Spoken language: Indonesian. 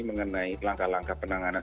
mengenai langkah langkah penanganan